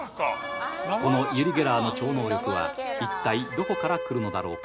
このユリ・ゲラーの超能力は一体どこから来るのだろうか？